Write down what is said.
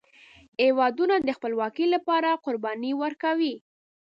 هیوادونه د خپلواکۍ لپاره قربانۍ ورکوي.